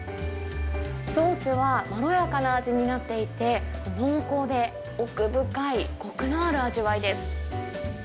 ソースはまろやかな味になっていて、濃厚で奥深いこくのある味わいです。